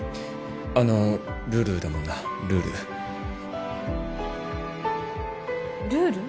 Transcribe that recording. あのルールだもんなルールルール？